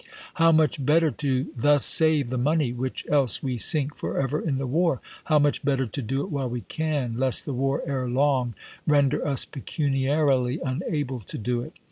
How much better to thus save the money which else we sink forever in the war. How much better to do it while we can, lest the war ere long render us pecuniarily unable to do it.